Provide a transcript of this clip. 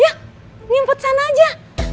yuk ngumpet sana aja